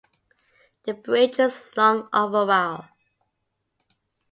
The bridge is long overall.